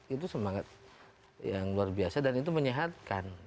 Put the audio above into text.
itu semangat yang luar biasa dan itu menyehatkan